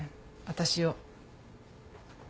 私を。